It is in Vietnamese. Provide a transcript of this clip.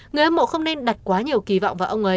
người hâm mộ không nên đặt quá nhiều kỳ vọng vào ông ấy